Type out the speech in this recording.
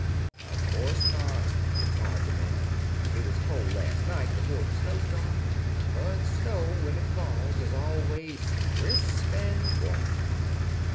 "Of course not," replied the man. "It was cold last night, before the snowstorm; but snow, when it falls, is always crisp and warm."